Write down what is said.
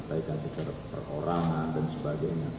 sampaikan secara perorangan dan sebagainya